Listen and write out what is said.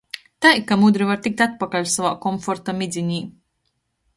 Tai, ka mudri var tikt atpakaļ sovā komforta midzinī.